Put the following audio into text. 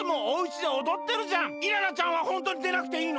イララちゃんはホントにでなくていいの？